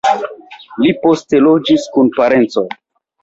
Li poste loĝis kun parencoj.